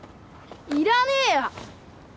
いらねえよ！